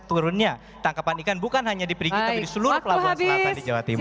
turunnya tangkapan ikan bukan hanya di perigi tapi di seluruh pelabuhan selatan di jawa timur